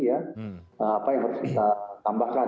apa yang harus kita tambahkan